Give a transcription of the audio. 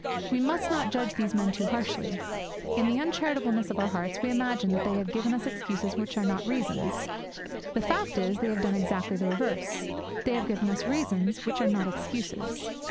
We must not judge these men too harshly. In the uncharitableness of our hearts we imagine that they have given us excuses which are not reasons. The fact is that they have done exactly the reverse; they have given us reasons which are not excuses.